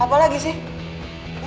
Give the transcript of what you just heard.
apa lagi sih